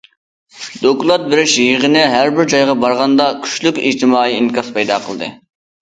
دوكلات بېرىش يىغىنى ھەر بىر جايغا بارغاندا، كۈچلۈك ئىجتىمائىي ئىنكاس پەيدا قىلدى.